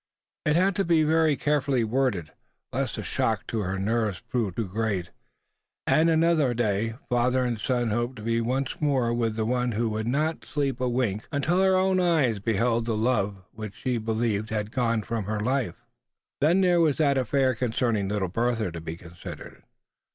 It had to be very carefully worded, lest the shock to her nerves prove too great. And in another day, father and son hoped to be once more with the one who would not sleep a wink until her own eyes beheld the loved form which she believed had gone from her forever. Then there was that affair concerning little Bertha to be considered.